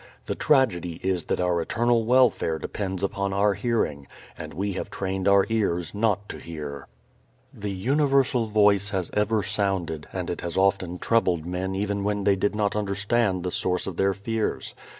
The tragedy is that our eternal welfare depends upon our hearing, and we have trained our ears not to hear. This universal Voice has ever sounded, and it has often troubled men even when they did not understand the source of their fears.